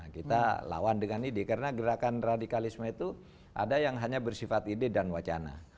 kita lawan dengan ide karena gerakan radikalisme itu ada yang hanya bersifat ide dan wacana